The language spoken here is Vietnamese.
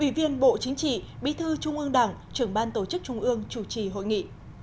ủy viên bộ chính trị bí thư trung ương đảng trưởng ban tổ chức trung ương chủ trì hội nghị